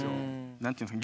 何て言うんですか